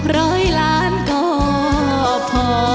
ร้อยล้านก็พอ